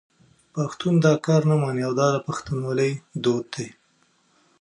پښتون دا کار نه مني او دا د پښتونولي دود دی.